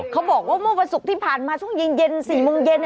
เขาบอกว่าเมื่อวันศุกร์ที่ผ่านมาช่วงเย็น๔โมงเย็น